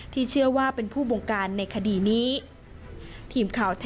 เชื่อว่าเป็นผู้บงการในคดีนี้